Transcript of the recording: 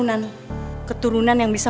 kamu kekututan helm nantinya